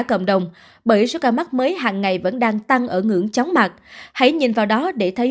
cộng đồng bởi số ca mắc mới hàng ngày vẫn đang tăng ở ngưỡng chóng mặt hãy nhìn vào đó để thấy